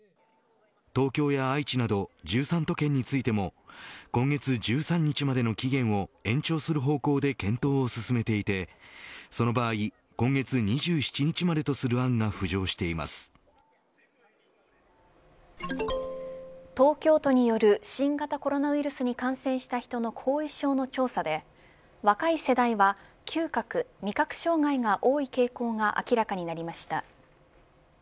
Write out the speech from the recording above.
東京や愛知など１３都県についても今月１３日までの期限を延長する方向で検討を進めていてその場合今月２７日までとする案が東京都による新型コロナウイルスに感染した人の後遺症の調査で若い世代は嗅覚・味覚障害が多い傾向が明らかになりました。